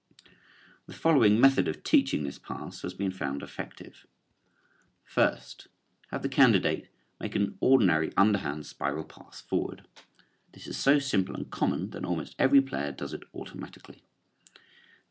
The following method of teaching this pass has been found effective: First: Have the candidate make an ordinary underhand spiral pass forward. This is so simple and common that almost every player does it automatically.